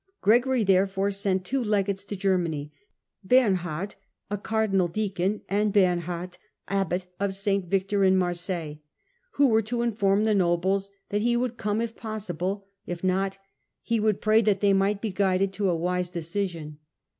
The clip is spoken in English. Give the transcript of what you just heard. Gregory, therefore, sent two legates to Germany — Bernhard, a cardinal deacon, and Bemhard, abbot of St. Victor in Marseilles — who were to inform the nobles that he would come if possible ; if not, he would pray that they might be guided to a wise decision.